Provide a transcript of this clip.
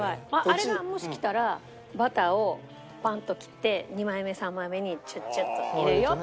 あれがもし来たらバターをパンッと切って２枚目３枚目にちょっちょっと入れよう。